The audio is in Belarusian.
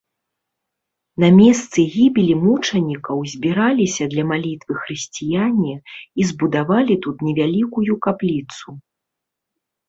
На месцы гібелі мучанікаў збіраліся для малітвы хрысціяне і збудавалі тут невялікую капліцу.